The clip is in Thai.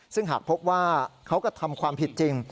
ซึ่งหากพบว่าเขากระทำความผิดจริง